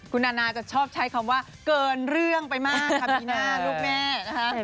คุณนานะจะชอบใช้คำว่าเกินเรื่องไปมากครับบีน่าลูกแม่